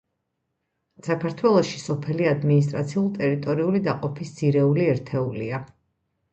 საქართველოში სოფელი ადმინისტრაციულ-ტერიტორიული დაყოფის ძირეული ერთეულია.